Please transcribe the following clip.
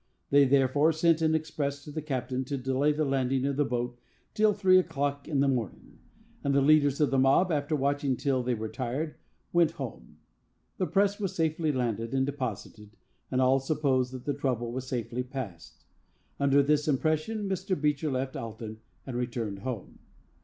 They therefore sent an express to the captain to delay the landing of the boat till three o'clock in the morning, and the leaders of the mob, after watching till they were tired, went home; the press was safely landed and deposited, and all supposed that the trouble was safely passed. Under this impression Mr. Beecher left Alton, and returned home.